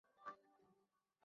এই নে, দোস্ত।